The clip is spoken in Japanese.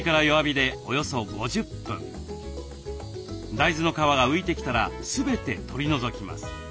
大豆の皮が浮いてきたら全て取り除きます。